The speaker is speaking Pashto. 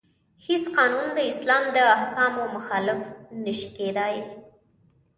هیڅ قانون د اسلام د احکامو مخالف نشي کیدای.